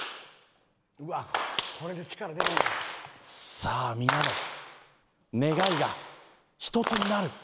さあ皆の願いが一つになる。